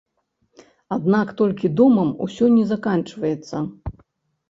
Аднак толькі домам усё не заканчваецца.